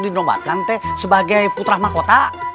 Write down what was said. dinobatkan sebagai putra mahkota